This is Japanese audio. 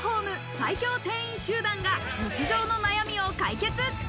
最強店員集団が日常のお悩みを解決。